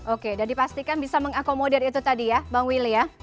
oke dan dipastikan bisa mengakomodir itu tadi ya bang willy ya